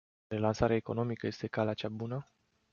Relansarea economică este pe calea cea bună.